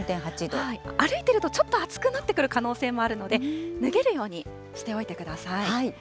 歩いてるとちょっと暑くなってくる可能性もあるので、脱げるようにしておいてください。